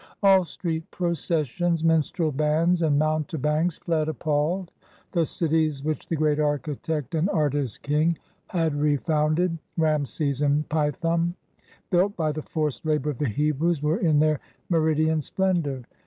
All street processions, minstrel bands, and mounte banks fled appalled. The cities which the great architect and artist king had refounded, — Ra'amses and Pithom, — built by the forced labor of the Hebrews, were in their meridian splendor.